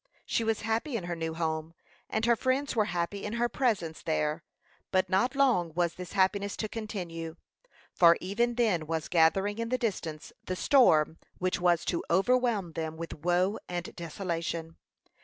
She was happy in her new home, and her friends were happy in her presence there; but not long was this happiness to continue, for even then was gathering in the distance the storm which was to overwhelm them with woe and desolation.